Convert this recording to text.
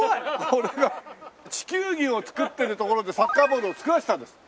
これが地球儀を作ってる所でサッカーボールを作らせたんです。